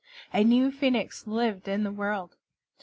A new Phoenix lived in the world.